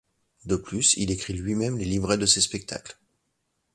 De plus, il écrit lui-même les livrets de ces spectacles.